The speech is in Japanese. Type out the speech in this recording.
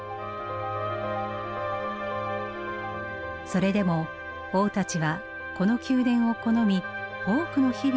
それでも王たちはこの宮殿を好み多くの日々を過ごしたといいます。